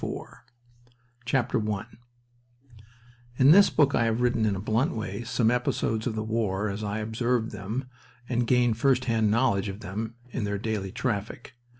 FOR WHAT MEN DIED I In this book I have written in a blunt way some episodes of the war as I observed them, and gained first hand knowledge of them in their daily traffic.